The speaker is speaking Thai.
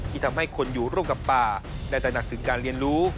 ที่ทำให้คนอยู่ร่วมกับป่าได้ตระหนักถึงการเรียนรู้